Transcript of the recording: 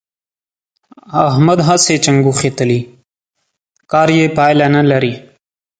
احمد هسې چنګوښې تلي؛ کار يې پايله نه لري.